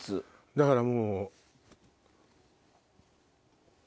だからもう。